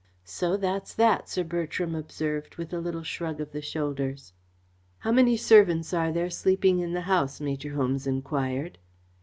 "So that's that," Sir Bertram observed, with a little shrug of the shoulders. "How many servants are there sleeping in the house?" Major Holmes enquired.